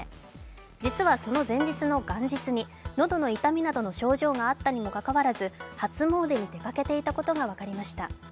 実はその前日の元日に喉の痛みなどの症状があったにもかかわらず、初詣に出かけていたことが分かりました。